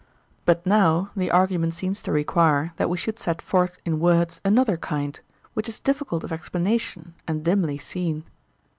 But now the argument seems to require that we should set forth in words another kind, which is difficult of explanation and dimly seen.